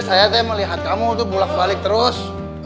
saya teh melihat kamu tuh bulat balik terus